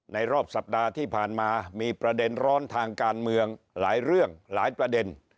รอบสัปดาห์ที่ผ่านมามีประเด็นร้อนทางการเมืองหลายเรื่องหลายประเด็น